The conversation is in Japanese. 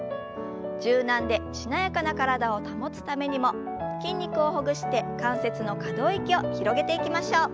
柔軟でしなやかな体を保つためにも筋肉をほぐして関節の可動域を広げていきましょう。